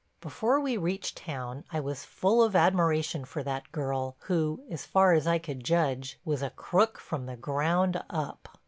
Before we reached town I was full of admiration for that girl who, as far as I could judge, was a crook from the ground up.